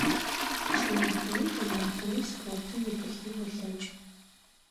КӀымафэми гъэмафэми спортым упылъын олъэкӀы.